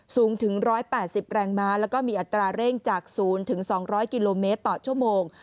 สูงถึง๑๘๐แรงม้าแล้วก็มีอัตราเร่งจาก๐๒๐๐กิโลเมตรต่อชั่วโมง